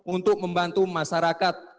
untuk membantu masyarakat